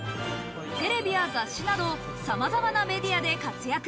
テレビや雑誌など、さまざまなメディアで活躍。